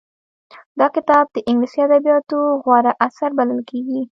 دا کتاب د انګلیسي ادبیاتو غوره اثر بلل کېږي